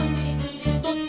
「どっち」